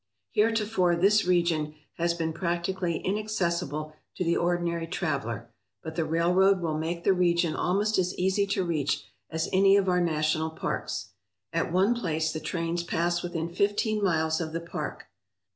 Heretofore this region has been practically inaccessible to the ordinary traveller, but the railroad will make the region almost as easy to reach as any of our national parks. At one place the trains pass within fifteen miles of the park.